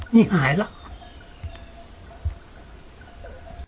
นี่หายแล้ว